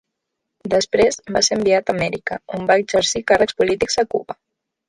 Després, va ser enviat a Amèrica, on va exercir càrrecs polítics a Cuba.